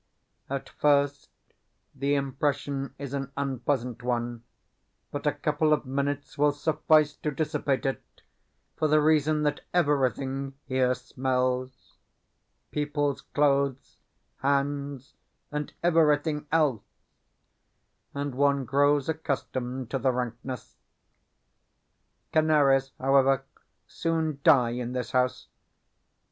At first the impression is an unpleasant one, but a couple of minutes will suffice to dissipate it, for the reason that EVERYTHING here smells people's clothes, hands, and everything else and one grows accustomed to the rankness. Canaries, however, soon die in this house.